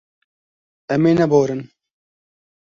Em ê neborin.